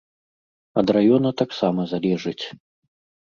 Ад раёна таксама залежыць.